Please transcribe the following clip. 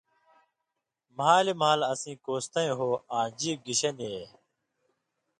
”مھالیۡ مھال اسیں کوستَیں ہوں آں ژیب گِشےۡ نی اے“۔